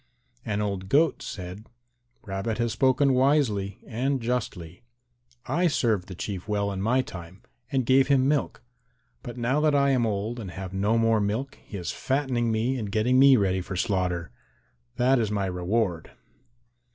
And old Goat said, "Rabbit has spoken wisely and justly. I served the Chief well in my time and gave him milk, but now that I am old and have no more milk he is fattening me and getting me ready for slaughter. That is my reward."